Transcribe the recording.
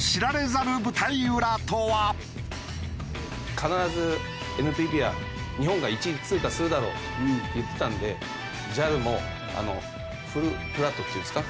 必ずＮＰＢは日本が１位通過するだろうと言ってたんでＪＡＬもフルフラットっていうんですか？